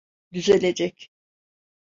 Düzelecek.